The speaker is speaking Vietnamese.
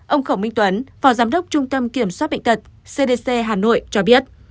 ông khổng minh tuấn phó giám đốc trung tâm kiểm soát bệnh tật cdc hà nội cho biết